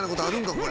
これ。